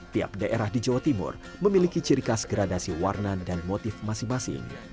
tiap daerah di jawa timur memiliki ciri khas gradasi warna dan motif masing masing